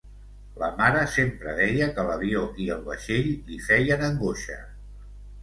La mare sempre deia que l'avió i el vaixell li feien angoixa.